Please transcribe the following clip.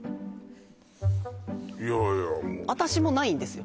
私もないんですよ